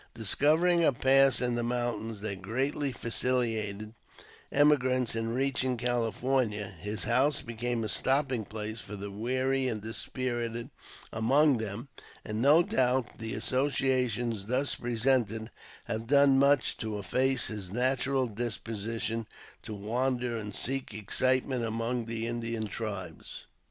Discovering a pass in the mountains that greatly facilitated emigrants in reaching California, his house became a stopping place for the weary and dispirited among them, and no doubt the associations thus presented have done much to efface his natural disposition to wander and seek excitement among the Indian tribes.